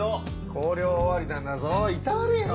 校了終わりなんだぞいたわれよ！